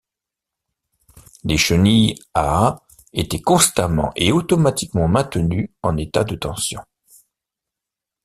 Les chenilles à étaient constamment et automatiquement maintenues en état de tension.